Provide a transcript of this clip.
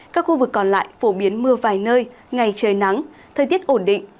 các khu vực còn lại phổ biến mưa vài nơi ngày trời nắng thời tiết ổn định